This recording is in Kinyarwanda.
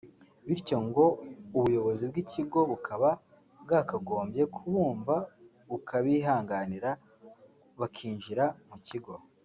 bityo ngo ubuyobozi bw’ikigo bukaba bwakagombye kubumva bukabihanganira bakinjira mu kigo